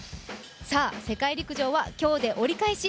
さあ、世界陸上は今日で折り返し。